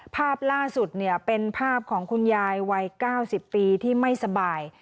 ภาพล่าสุดเป็นภาพของคุณยายวัย๙๐ปีที่ไม่สบาย